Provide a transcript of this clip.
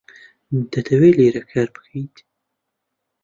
دەتەوێت لێرە کار بکەیت؟